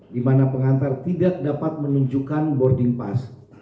di mana pengantar tidak dapat menunjukkan boarding pass